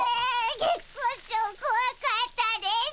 月光町こわかったです。